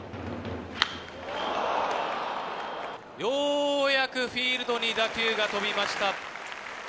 ようやくフィールドに打球が飛びました。